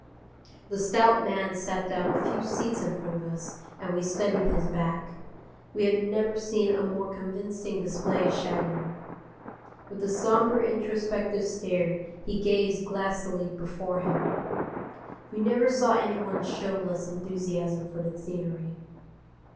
The stout man sat down a few seats in front of us and we studied his back. We have never seen a more convincing display of chagrin. With a sombre introspective stare he gazed glassily before him. We never saw any one show less enthusiasm for the scenery.